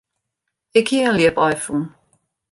Ik hie in ljipaai fûn.